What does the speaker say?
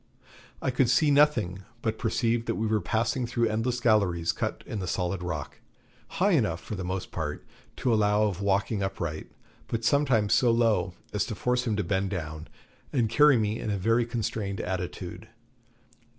I could see nothing, but perceived that we were passing through endless galleries cut in the solid rock, high enough, for the most part, to allow of walking upright, but sometimes so low as to force him to bend down and carry me in a very constrained attitude.